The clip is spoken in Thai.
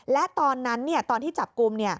และตอนนั้นตอนที่จับกลุ่ม